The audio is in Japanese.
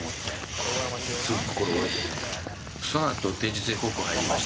そのあと定時制高校入りまして。